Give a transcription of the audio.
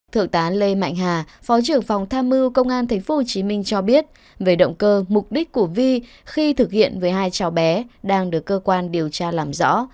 thượng tá lê mạnh hà phó trưởng phòng tham mưu công an tp hcm cho biết về động cơ mục đích của vi khi thực hiện với hai cháu bé đang được cơ quan điều tra làm rõ